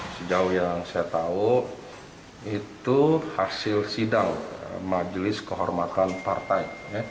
sejauh yang saya tahu itu hasil sidang majelis kehormatan partai